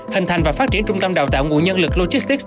hình thành và phát triển trung tâm đào tạo nguồn nhân lực logistics